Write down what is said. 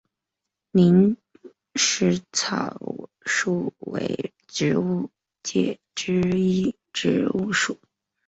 林石草属为植物界之一植物属。